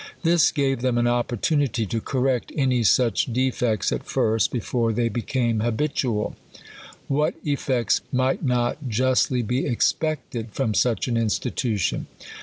This gav 'f them an opportunity to correct any such defects at fct, lefore they became habitual. What effects might not justly be expected from such an institution